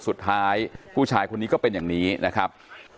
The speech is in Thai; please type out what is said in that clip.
สุดท้ายผู้ชายคนนี้ก็เป็นอย่างนี้นะครับ